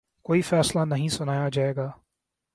کوئی فیصلہ نہیں سنایا جائے گا